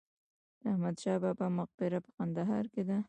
د احمد شاه بابا مقبره په کندهار کې ده